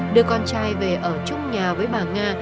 đưa con trai về ở trung nhà với bà nga